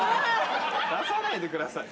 出さないでください。